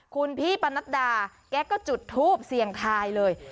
คุณพี่ปนัดดาแกก็จุดทูปเสี่ยงทายเลย